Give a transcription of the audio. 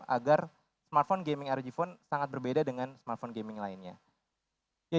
agar smartphone gaming rog phone sangat berbeda dengan smartphone gaming lainnya